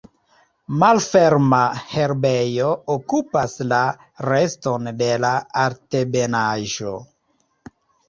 Malferma herbejo okupas la reston de la altebenaĵo.